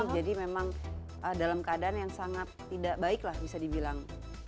jadi memang dalam keadaan yang sangat tidak baik lah bisa dibilang